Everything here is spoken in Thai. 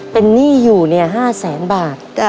เป็นนี่อยู่เนี่ย๕๐๐๐๐๐บาท